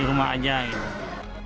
di rumah aja gitu